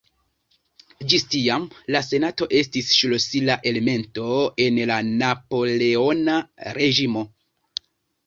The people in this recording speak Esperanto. Ĝis tiam la Senato estis ŝlosila elemento en la Napoleona reĝimo.